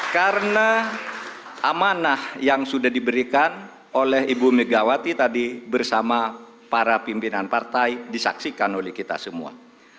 karena amanah yang sudah diberikan oleh ibu megawati tadi bersama para pimpinan partai disaksikan oleh kita semua